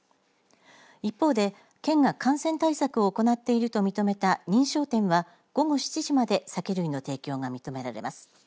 一方で、県の感染対策を行っていると認めた認証店は午後７時まで酒類の提供が認められます。